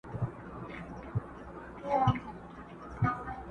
دا په غرونو کي لوی سوي دا په وینو روزل سوي!.